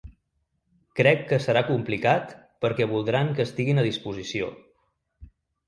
Crec que serà complicat perquè voldran que estiguin a disposició